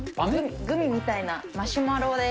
グミみたいなマシュマロです。